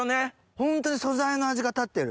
ホントに素材の味が立ってる。